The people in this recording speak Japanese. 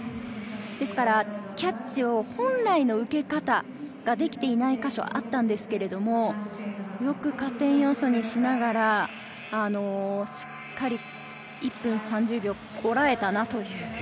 ですからキャッチを本来の受け方ができていないか所があったのですけれども、よく加点要素にしながら、しっかり１分３０秒こらえたなという。